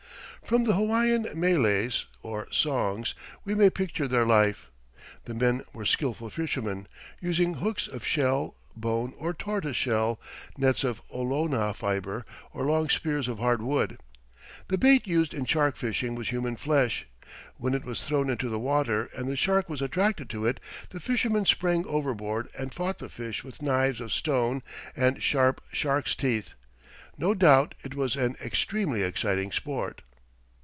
From the Hawaiian meles, or songs, we may picture their life. The men were skilful fishermen, using hooks of shell, bone, or tortoise shell, nets of olona fiber or long spears of hard wood. The bait used in shark fishing was human flesh. When it was thrown into the water and the shark was attracted to it, the fishermen sprang overboard and fought the fish with knives of stone and sharp shark's teeth. No doubt it was an extremely exciting sport.